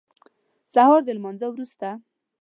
سهار د لمانځه وروسته.